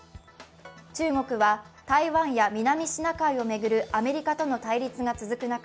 中国は台湾や南シナ海を巡るアメリカとの対立が続く中